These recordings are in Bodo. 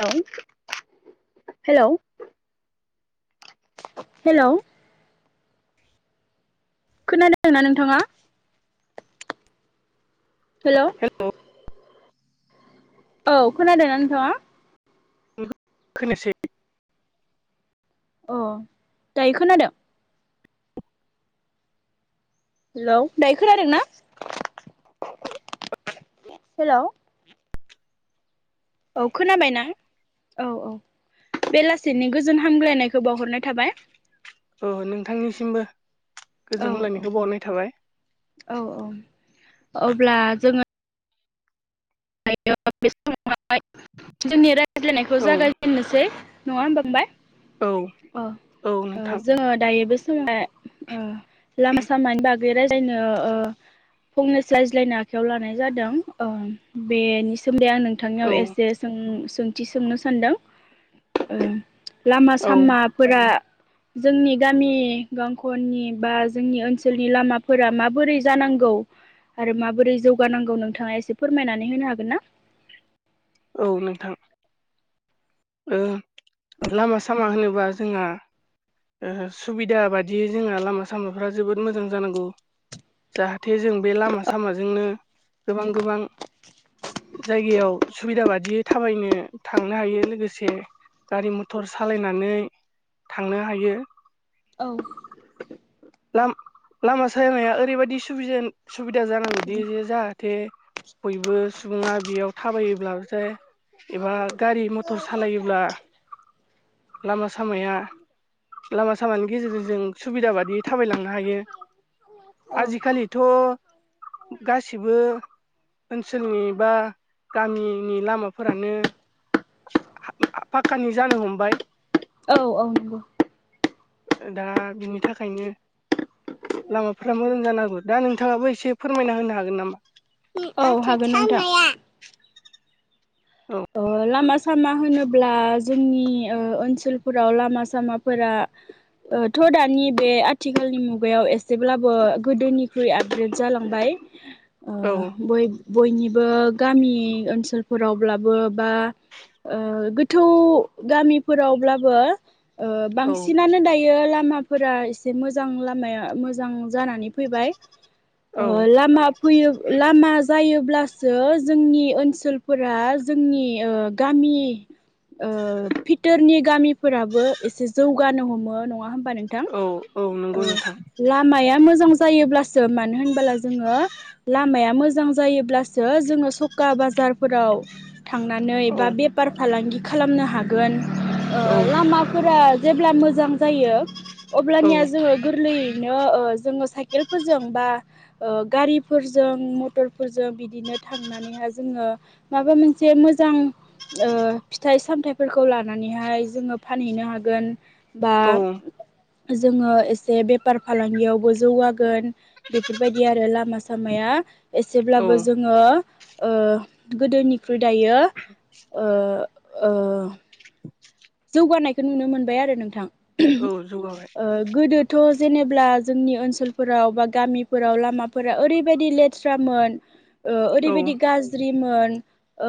हेलौ हेलौ हेल' खोनादोंना नोंथाङा हेल' हेलौ औ खोनादोंना नोंथाङा [unintelligible] अ दायो खोनादों हेलौ' दायो खोनादों ना हेल' औ खोनाबायना औ-औ बेलासिनि गोजोन हामग्लायनायखौ बावहरनाय थाबाय औ नोंथांनिसिमबो औ गोजोन हामलायनायखौ [unintelligible] थाबाय औ औ अब्ला जोङो [unintelligible] बे समाव जोंनि रायज्लायनायखौ औ जागायजेननोसै नङा होमबा औ [unintelligible] अ औ ओ नोंथां जोङो दायोबो [unintelligible] लामा सामानि बाग बे राय ज्लायनो ओ फंनैसो ज्लायनो आखायाव लानाय जादों ओ बेनि सोमोन्दै आं नोंथांनियाव औ एसे सों सों थि सोंनो सानदों ओ लामा औ सामाफोरा जोंनि गामि गं औ आरो माबोरै जौगानांगौ नोंथाङा एसे फोरमायनानै होनो हागोन ना औ नोंथां ओ लामा सामा होनोबा जोंहा ओ सुबिदा बादि जोंहा लामा सामाफ्रा जोबोद मोजां जानांगौ जाहाथे जों बे लामा सामाजोंनो गोबां गोबां जायगायाव सुबिदा बादियै थाबायनो थांनो हायो लोगोसे गारि मथर सालायनानै थांनो हायो औ लाम लामा सामाया ओरैबायदि सुबिजान सुबिदा जानांगौदि जाहाथे बयबो सुबुङा बेयाव थाबायोब्लाथाय एबा गारि मथर सालायोब्ला लामा सामाया लामा सामानि गेजेरजों जों सुबिदा बादि थाबायलांनो हायो औ आजिखालिथ' गासिबो ओनसोलनि बा गामिनि लामाफोरानो [unintelligible] पाक्कानि जानो हमबाय औ नंगौ दा बिनि थाखायनो लामाफोरा मोजां जानांगौ दा नोंथाङाबो एसे फोरमायना होनो हागोन नामा औ हागोन नोंथां औ ओ लामा सामा होनोब्ला जोंनि ओ ओनसोलफोराव लामा सामाफोरा ओ थ' दानि बे आथिखालनि मुगायाव एसेब्लाबो गोदोनिख्रुइ आपग्रेड जालांबाय ओ औ बय बयनिबो गामि ओनसोलफोरावब्ला बो बा गोथौ गामिफोरावब्लाबो ओ औ बांसिनानो दायो लामाफोरा एसे मोजां लामाया मोजां जानानै फैबाय ओ औ लामा फैयो लामा जायोब्लासो जोंनि ओनसोलफोरा जोंनि ओ गामि ओ भिथोरनि गामिफोराबो एसे जौगानो हमो नङा होम बा नोंथां औ औ नंगौ ओ नोंथां लामाया मोज जां जायोब्लासो मानो होनबोला जोङो लामाया मोजां जायोब्लासो जोङो सखा बाजारफोराव थांनानै औ बा बेफार फालांगि खालामनो हागोन ओ औ लामाफोरा जेब्ला मोजां जायो औ अब्लानिया जोङो गोरलै नो ओ जोङो साइकेलफोरजों बा ओ गारिफोरजों मथरफोरजों बिदिनो थांनानैहा जोङो माबा मोनसे मोजां ओ फिथाइ सामथाइफोरखौ लानानैहाय जोङो फानहैनो हागोन बा औ जोङो एसे बेफार फालांगियावबो जौगागोन बेफोरबायदि आरो लामा सामाया औ एसेब्लाबो जोङो ओ गोदोनिख्रुइ दायो ओ ओ [inaudible] जौगानायखौ नुनो मोनबाय आरो नोंथां औ जौगाबाय ओ गोदो थ' जेनेब्ला जोंनि ओनसोलफोराव बा गामिफोराव लामाफोरा ओरैबायदि लेट थ्रामोन ओ औ ओरैबायदि गाज्रिमोन ओ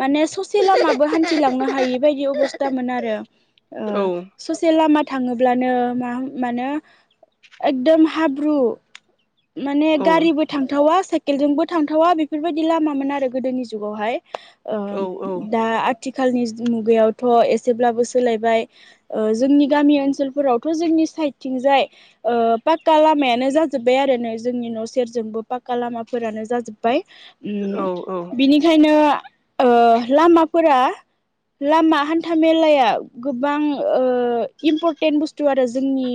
माने ससे लामाबो हान्थिलांनो हायि बायदि अबस्तामोन आरो। ओ औ ससे लामाद। थाङोब्लानो मा मानो एकदम हाब्रु। माने औ गारिबो थांथावा साइकेलजोंबो थांथावा बेफोरबादि लामामोन आरो गोदोनि जुगावहाय। ओ औ दा आथिखालनि जो मुगायाव। थ' एसेब्लाबो सोलायबाय ओ जोंनि गामि ओनसोलफोरावथ' जोंनि साइडथिंजाय। ओ पाक्का लामायानो जाजोब्बाय आरो नो जोंनि न' सेरजोंबो पाक्का लामाफोरानो जाजोब्बाय। औ ओम बिनिखायनो। ओ लामाफोरा लामा। हान्था मेलाया गोबां ओ इमपरटेन्ट बुस्थु आरो जोंनि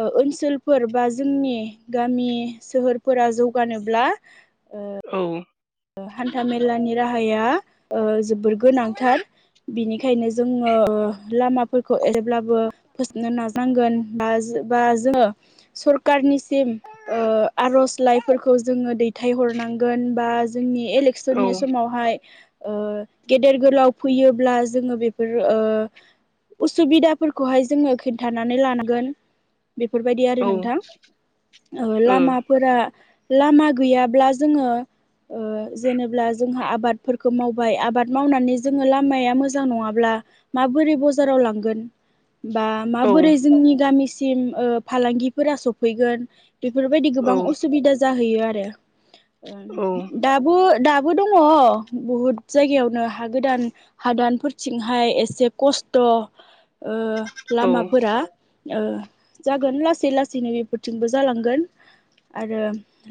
ओ ओनस। ओनसोलफोर बा जोंनि गामि सोहोरफोरा जौगानोब्ला। औ। हान्थामेलानि राहाया ओ जोबोर गोनांथार। बिनिखायनो जोङो ओ लामाफोरखौ एरैब्लाबो फोसाबनो नाजांगोन बा जों। बा जोङो सरकारनिसिम ओ आर'जलाइफोरखौ जोङो दैथायहर। नांगोन बा जोंनि ओ औ एलेकसननि समावहाय। ओ गेदेर गोलाव फैयोब्ला जोङो बेफोर ओ। उसुबिदाफोरखौहाय जोङो खोन्थानानै लानांगोन। बेफोरबायदि आरो नोंथां ओ लामाफोरा। लामा गैयाब्ला जोङो ओ। जेनेब्ला जोंहा आबादफोरखौ मावबाय आबाद मावनानै जोङो लामाया मोजां नङाब्ला माब। बोरै बजाराव लांगोन। बा माबोरै जोंनि गामिसिम ओ फालांगिफोरा सफैगोन। बेफोरबायदि औ गोबां असुबिदा जा हैयो आरो। औ। दाबो दाबो दङ बुहुद जायगायावनो हा गोदान हादानफोरथिंहाय एस। जे खस्त' ओ लामाफोरा। ओ जागोन लासै लासैनो बेफोरथिंबो जालांगोन। आरो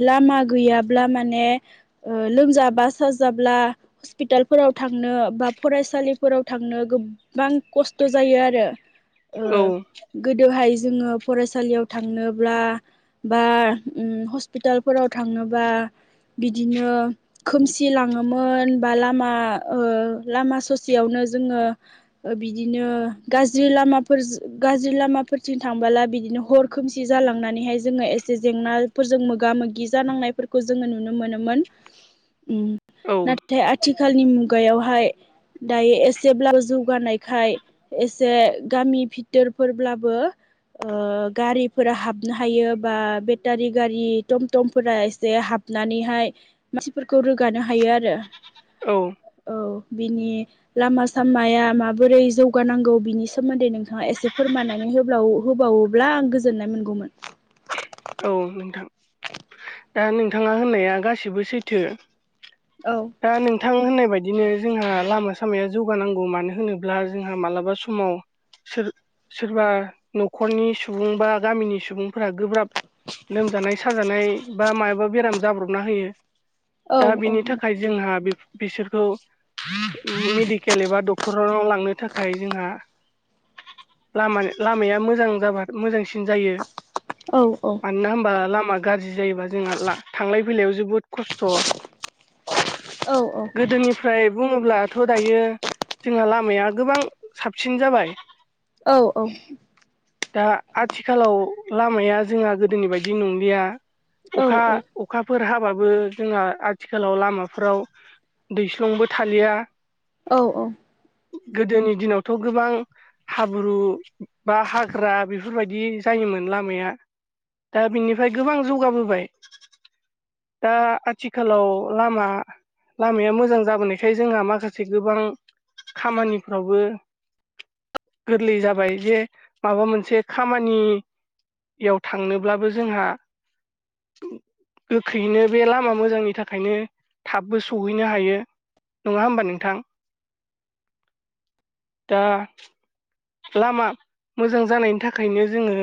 लामा गैयाब्ला माने। ओ लोमजाबा साजाब्ला हस्पितालफोराव थांनो बा फरायसालिफोराव थां। नो गोसाईं कस्त' जायों आरो ओ गोदोहाय जो। जोङो फरायसालियाव थांनोब्ला बा ओम हस्पिटालफोराव थांनोबा। बिदिनो खोमसि लाङोमोन बा लामा ओ लामा ससेयावनो। जोंङो ओ बिदिनो गाज्रि लामाफोरज गाज्रि लामाफोरथि थांबोला बिदि। बिदिनो हर खोमसि जालांनानैहाय जोङो एसे जेंना फोरजों मोगा मोगि जानांनायफोरखौ जोङो नु। नुनो मोनोमोन औ नाथाय ओम आथिखालनि मुगायावहाय। दायो एसेब्लाबो जौगानायखाय एसे गामि बितोरफोरब्लाबो। ओ गारिफोरा हाबनो हायो बा बेटारि गारि टमटमफोरा एसे हाब। नानैहाय मानसिफोरखौ रोगानो हायो आरो। औ। औ बिनि लामा सामाया माबोरै जौगानांगौ बिनि सोमोन्दै नोंथाङा एसे फोरमायनानै। होब्लावो होबावोबा आं गोजोननाय मोनगौमोन। औ नोंथां दा नोंथाङा होननाया गासिबो सैथो। औ दा नोंथां होननाय बायदिनो जोंहा लामा सामाया। जौगानांगौ मानो होनोब्ला जोंहा मालाबा समाव। सोर सोरबा न'खरनि सुबुं बा गामिनि सुबुंफोरा गोब्राब। लोमजानाय साजानाय बा मायबा बेराम जाब्रबना होयो। औ दा बिनि औ। थाखाय जोंहा बिसोरखौ। मेडिकेल एबा डक्टरनाव लांनो थाखाय जोंहा। लामानि लामाया मोजां जाबा मोजांसिन जायो औ मानोना होनबा लामा गाज्रि जायोबा जोंहा थांलाय फैलायाव जोबोद खसथ औ औ गोदोनिफ्राय बुं होनब्लाथ' दायो जोंहा लामाया गोबां साबसिन जाबाय औ दा आथिखालाव लामाया जोंहा गोदोनि बायदि नंलिया औ अखा अखाफोर हाब हबाबो जोंहा आथिखालाव लामाफ्राव दैस्लुंबो थालिया औ औ गोदोनि दिनावथ' गोबां हाब्रु बा हाग्रा बेफोर बेफोरबायदि जायोमोन लामाया दा बिनिफ्राय गोबां जौगाबोबाय दा आथिखालआव औ लामा लामाया मोजां जाबोनायखाय जोंहा माखासे गोबां खामानिफ्रावबो गोरलै जाबाय जे माबा मोनसे खामानि याव थांनोब्लाबो जोंहा गोख्रैनो बे लामा मोजांनि थाखाय ओंखायनो थाबबो सौहैनो हायो नङा होमबा नोंथां दा लामा मोजां जानायनि थाखायनो जोङो